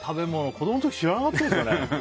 子供の時知らなかったよね。